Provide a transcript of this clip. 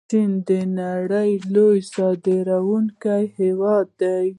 چین د نړۍ لوی صادروونکی هیواد دی.